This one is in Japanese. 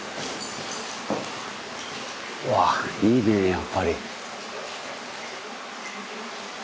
うわっいいねやっぱり。